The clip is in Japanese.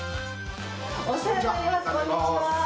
こんにちは。